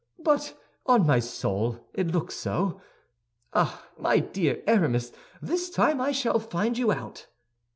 But on my soul, it looks so. Ah, my dear Aramis, this time I shall find you out."